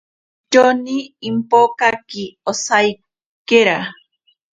Atyoni impokaki osaikera.